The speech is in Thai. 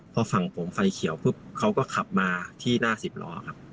เพราะฝั่งผมไฟเขียวเพิ่งเขาก็ขับมาที่หน้าสิบล้อครับ